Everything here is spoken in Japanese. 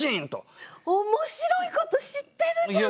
面白いこと知ってるじゃない！